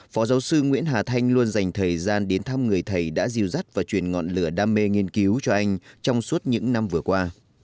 phó giáo sư nguyễn hà thanh luôn dành thời gian đến thăm người thầy đã dìu dắt và truyền ngọn lửa đam mê nghiên cứu cho anh trong suốt những năm vừa qua